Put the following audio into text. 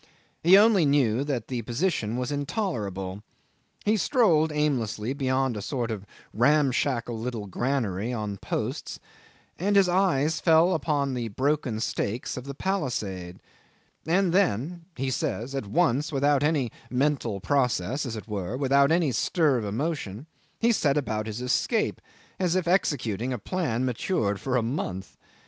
He only knew that the position was intolerable. He strolled aimlessly beyond a sort of ramshackle little granary on posts, and his eyes fell on the broken stakes of the palisade; and then he says at once, without any mental process as it were, without any stir of emotion, he set about his escape as if executing a plan matured for a month.